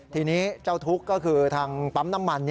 ทีนี้เจ้าทุกข์ก็คือทางปั๊มน้ำมัน